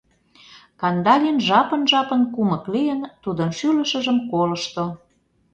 Кандалин жапын-жапын, кумык лийын, тудын шӱлышыжым колышто.